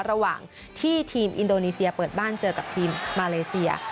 ระหว่างที่ทีมอินโดนีเซียเปิดบ้านเจอกับทีมมาเลเซีย